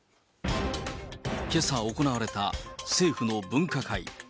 けさ行われた政府の分科会。